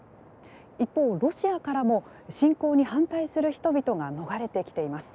一方、ロシアからも侵攻に反対する人々が逃れてきています。